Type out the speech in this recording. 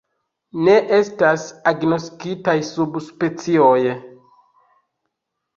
Ne estas agnoskitaj subspecioj.